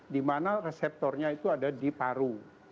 dimana reseptornya itu ada di paru